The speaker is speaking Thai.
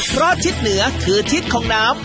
เพราะทิศเหนือคือทิศของน้ำ